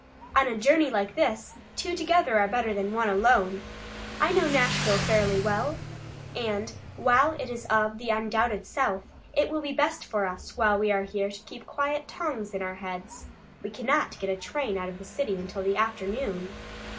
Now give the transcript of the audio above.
"On a journey like this two together are better than one alone. I know Nashville fairly well, and while it is of the undoubted South, it will be best for us, while we are here, to keep quiet tongues in our heads. We cannot get a train out of the city until the afternoon."